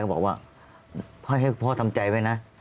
บอกว่าให้พ่อทำใจไว้นะ